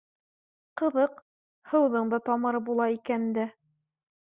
— Ҡыҙыҡ, һыуҙың да тамыры була икән дә